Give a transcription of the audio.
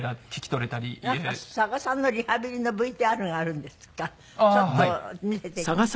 佐賀さんのリハビリのＶＴＲがあるんですがちょっと見せて頂きます。